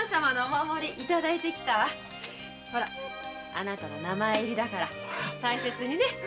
あなたの名前入りだから大切にね。